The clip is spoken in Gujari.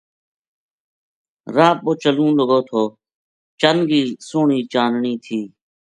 راہ پو چلوں لگو تھو چَن کی سوہنی چننی تھی